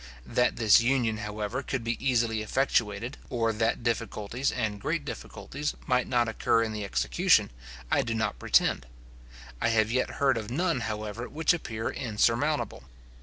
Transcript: That this union, however, could be easily effectuated, or that difficulties, and great difficulties, might not occur in the execution, I do not pretend. I have yet heard of none, however, which appear insurmountable.